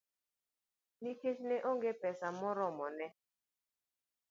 Nikech ne onge pesa moromo, ne